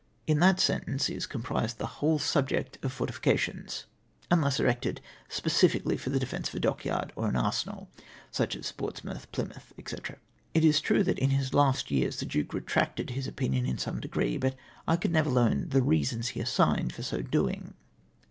In that sentence is comprised the whole subject of fortifications, miless erected specifically for the defence of a dockyard or an arsenal, as at Ports mouth, Plymouth, Szq. It is true that in liis last years the Duke retracted his opinion in some degree, but I could never learn the reasons he assigned for so doing